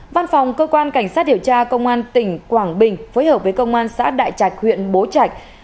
văn phòng cơ quan cảnh sát điều tra công an tỉnh quảng bình phối hợp với công an xã đại trạch huyện bố trạch